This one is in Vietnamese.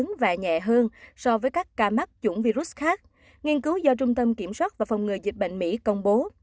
bệnh nhẹ hơn so với các ca mắc chủng virus khác nghiên cứu do trung tâm kiểm soát và phòng ngừa dịch bệnh mỹ công bố